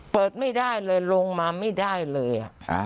เปิดไม่ได้เลยลงมาไม่ได้เลย